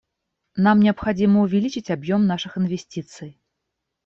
Нам необходимо увеличить объем наших инвестиций.